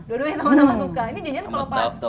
dua duanya sama sama suka